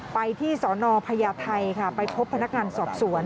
ไปที่สนพญาไทยค่ะไปพบพนักงานสอบสวน